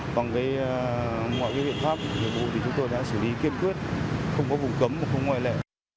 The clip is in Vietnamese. bằng mọi biện pháp chúng tôi đã xử lý kiên quyết không có vùng cấm không có ngoại lệ